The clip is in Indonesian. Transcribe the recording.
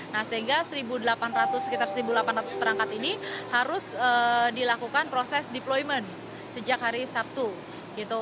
nah sehingga sekitar satu delapan ratus perangkat ini harus dilakukan proses deployment sejak hari sabtu gitu